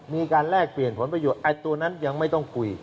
แลกเปลี่ยนผลประโยชน์ไอ้ตัวนั้นยังไม่ต้องคุย